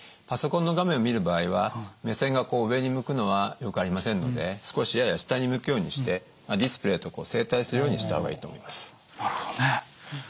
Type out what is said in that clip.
パソコンの画面を見る場合は目線がこう上に向くのはよくありませんので少しやや下に向くようにしてディスプレーと正対するようにした方がいいと思います。